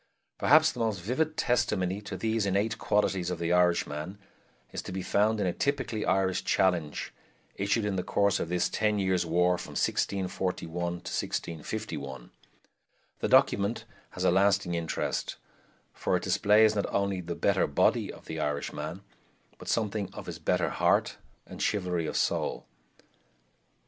Perhaps the most vivid testimony to these innate qualities of the Irishman is to be found in a typically Irish challenge issued in the course of this ten years' war from 1641 to 1651. The document has a lasting interest, for it displays not only the "better body" of the Irishman, but something of his better heart and chivalry of soul.